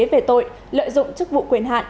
về tội lợi dụng chức vụ quyền hạn